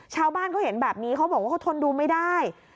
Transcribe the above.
ชาวบ้านเขาเห็นแบบนี้เขาบอกว่าเขาทนดูไม่ได้